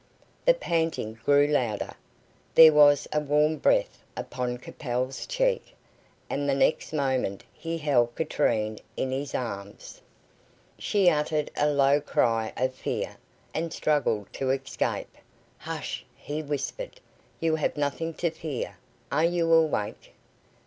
The panting grew louder, there was a warm breath upon Capel's cheek, and the next moment he held Katrine in his arms. She uttered a low cry of fear, and struggled to escape. "Hush!" he whispered. "You have nothing to fear. Are you awake?"